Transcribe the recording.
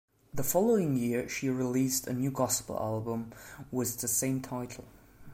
The following year, she released a new gospel album with the same title.